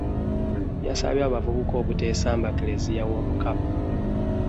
Yasabye abavubuka obuteesamba Klezia w’Omukama